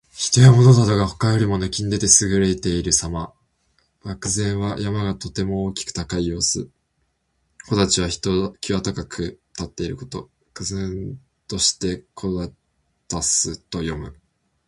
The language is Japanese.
人や物などが、他よりも抜きん出て優れているさま。「巍然」は山がとても大きく高い様子。「屹立」は一際高く立っていること。「巍然として屹立す」とも読む。